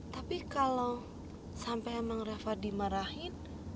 tapi kalo sampe emang reva dimarahin